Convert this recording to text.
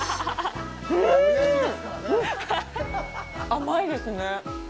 甘いですね。